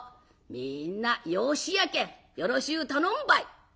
みんな養子やけんよろしゅう頼むばい」。